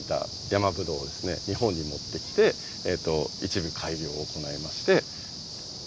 日本に持ってきて一部改良を行いまして。